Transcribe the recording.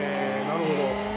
なるほど。